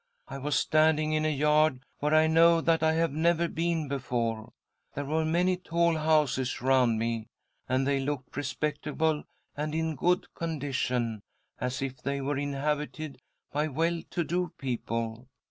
I was standing in a yard where I know that I have never been before. There were many tall houses round me, and they looked respectable and in good condition, as if they were inhabited by well to do people.